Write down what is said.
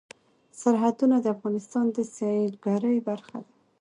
سرحدونه د افغانستان د سیلګرۍ برخه ده.